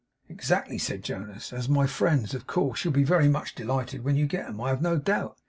'Exactly,' said Jonas; 'as my friends, of course. You'll be very much delighted when you get 'em, I have no doubt.